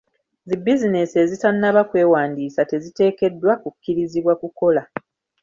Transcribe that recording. Zi bizinesi ezitanaba kwewandiisa teziteekeddwa kukkirizibwa kukola .